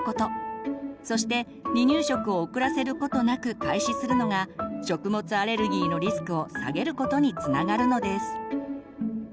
そして離乳食を遅らせることなく開始するのが食物アレルギーのリスクを下げることにつながるのです。